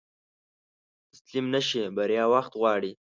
تسليم نشې، بريا وخت غواړي.